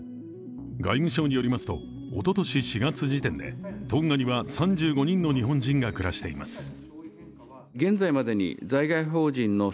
外務省によりますと、おととし４月時点でトンガには３５人の日本人が暮らしています。